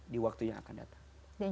di waktu yang akan datang